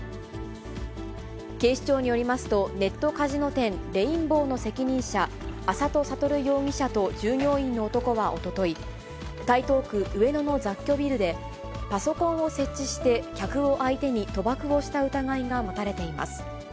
警視庁によりますと、ネットカジノ店、レインボーの責任者、安里悟容疑者と従業員の男はおととい、台東区上野の雑居ビルで、パソコンを設置して客を相手に賭博をした疑いが持たれています。